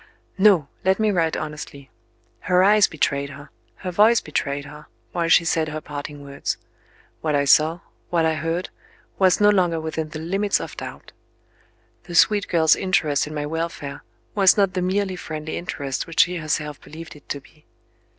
No! let me write honestly. Her eyes betrayed her, her voice betrayed her, while she said her parting words. What I saw, what I heard, was no longer within the limits of doubt. The sweet girl's interest in my welfare was not the merely friendly interest which she herself believed it to be.